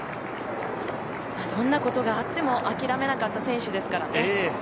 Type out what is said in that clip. どんなことがあっても諦めなかった選手ですからね。